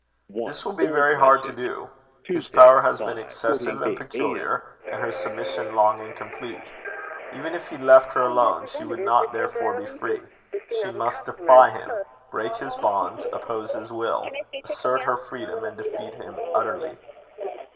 This will be very hard to do. His power has been excessive and peculiar, and her submission long and complete. Even if he left her alone, she would not therefore be free. She must defy him; break his bonds; oppose his will; assert her freedom; and defeat him utterly."